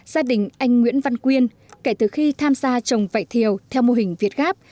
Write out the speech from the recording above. gia đình anh nguyễn văn quyên kể từ khi tham gia trồng vải thiều theo mô hình việt gáp